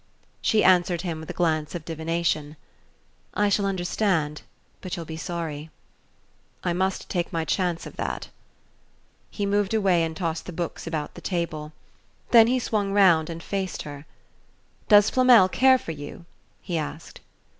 She answered him with a glance of divination. "I shall understand but you'll be sorry." "I must take my chance of that." He moved away and tossed the books about the table. Then he swung round and faced her. "Does Flamel care for you?" he asked.